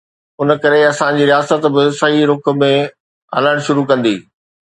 ان ڪري اسان جي رياست به صحيح رخ ۾ هلڻ شروع ڪندي.